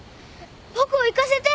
僕を行かせて。